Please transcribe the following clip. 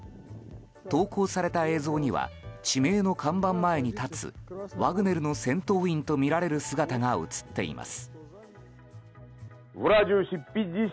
投稿された映像には地名の看板前に立つワグネルの戦闘員とみられる姿が映っています。